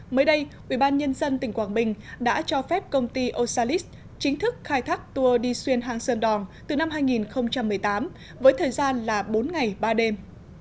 mới đây ubnd tỉnh quảng bình đã cho phép công ty osalis chính thức khai thác tour đi xuyên hàng sơn đòn từ năm hai nghìn một mươi tám với thời gian là bốn ngày ba đêm